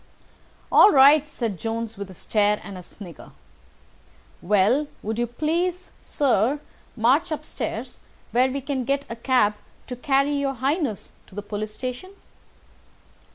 '" "All right," said Jones with a stare and a snigger. "Well, would you please, sir, march upstairs, where we can get a cab to carry your Highness to the police station?"